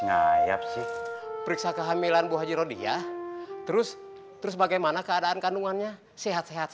siap sih periksa kehamilan bu haji rodiah terus terus bagaimana keadaan kandungannya sehat sehat